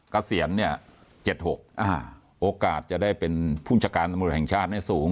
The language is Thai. กระเสียนเนี่ย๗๖โอกาสจะได้เป็นผู้บัญชาการตำรวจแห่งชาติให้สูง